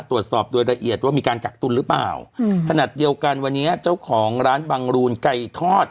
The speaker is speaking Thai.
ตรวจสอบโดยละเอียดว่ามีการกักตุลหรือเปล่าอืมขนาดเดียวกันวันนี้เจ้าของร้านบังรูนไก่ทอด